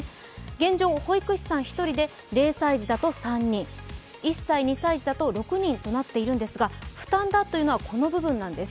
現状、保育士さん１人で０歳児だと３人というふうになっているのですが、負担だというのはこの部分なんです。